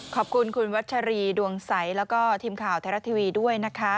ขอบคุณคุณวัชรีดวงใสแล้วก็ทีมข่าวไทยรัฐทีวีด้วยนะคะ